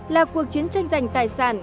là cuộc chiến tranh giành tài sản